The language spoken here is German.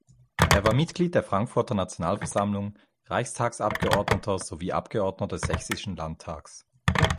Er war Mitglied der Frankfurter Nationalversammlung, Reichstagsabgeordneter sowie Abgeordneter des sächsischen Landtags.